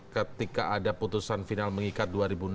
ketika ada putusan final mengikat dua ribu enam belas